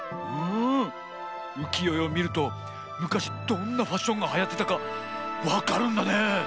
うきよえをみるとむかしどんなファッションがはやってたかわかるんだね！